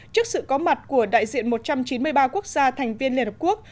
trước sự có mặt của đại diện một trăm chín mươi ba quốc gia thành viên liên hợp quốc